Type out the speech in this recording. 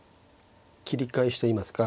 切り返しといいますか